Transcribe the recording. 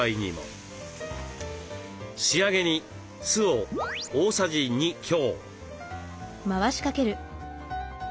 仕上げに酢を大さじ２強。